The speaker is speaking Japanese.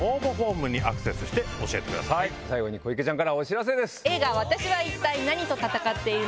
最後に小池ちゃんからお知らせです。